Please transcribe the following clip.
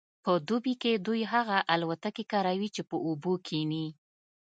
په دوبي کې دوی هغه الوتکې کاروي چې په اوبو کیښني